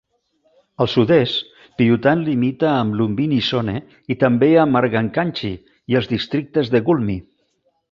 Al sud-est, Pyuthan limita amb "Lumbini Zone", i també amb "Arghakhanchi" i els "districtes de Gulmi".